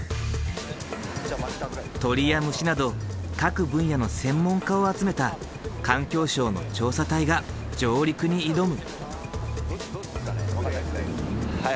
鳥や虫など各分野の専門家を集めた環境省の調査隊が上陸に挑む。